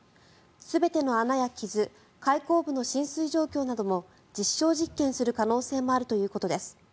全ての穴や傷開口部の浸水状況なども実証実験する可能性もあるということです。